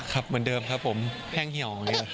เล็งกับเหมือนเดิมครับผมแห้งเหี่ยว